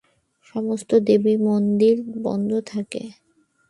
সমস্ত দেবী মন্দির বন্ধ থাকে।